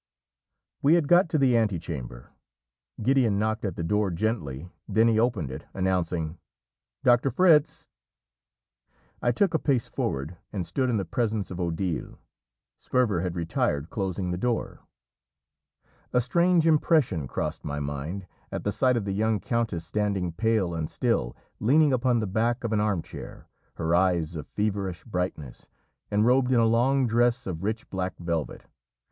We had got to the antechamber. Gideon knocked at the door gently, then he opened it, announcing "Doctor Fritz." I took a pace forward, and stood in the presence of Odile. Sperver had retired, closing the door. A strange impression crossed my mind at the sight of the young countess standing pale and still, leaning upon the back of an arm chair, her eyes of feverish brightness, and robed in a long dress of rich black velvet.